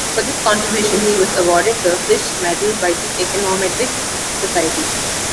For this contribution he was awarded the Frisch Medal by the Econometric Society.